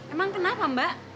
emang kenapa mbak